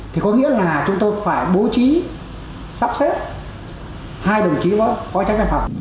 thì có nghĩa là chúng tôi phải bố trí sắp xếp hai đồng chí phó tránh văn phòng